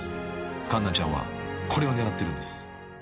［環奈ちゃんはこれを狙ってるんです］